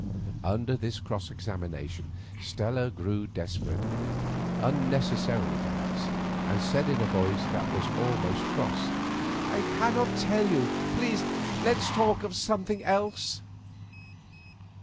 Under this cross examination Stella grew desperate, unnecessarily, perhaps, and said in a voice that was almost cross: "I cannot tell you; please let's talk of something else."